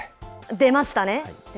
出ました。